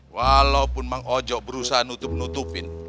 walaupun bang ojo berusaha nutup nutupin